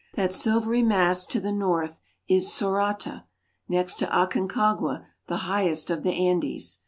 That silvery mass to the north is Sorata (so ra'ta), next to Aconcagua the highest of the Andes.